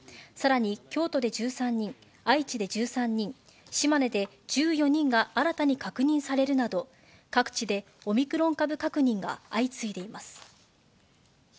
さらに京都で１３人、愛知で１３人、島根で１４人が新たに確認されるなど、各地でオミクロン株確認が相次いでいます。